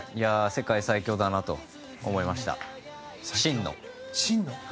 世界最強だなと思いました。